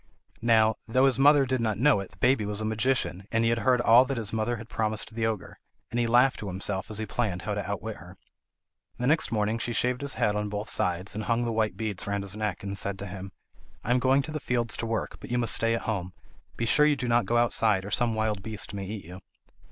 Now, though his mother did not know it, the baby was a magician and he had heard all that his mother had promised the ogre; and he laughed to himself as he planned how to outwit her. The next morning she shaved his head on both sides, and hung the white beads round his neck, and said to him: "I am going to the fields to work, but you must stay at home. Be sure you do not go outside, or some wild beast may eat you."